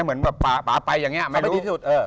เหมือนว่าป๋าไปอย่างเนี่ยไม่รู้